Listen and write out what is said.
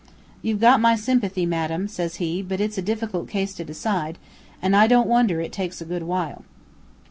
"'You've got my sympathy, madam,' says he, 'but it's a difficult case to decide, an' I don't wonder it takes a good while.'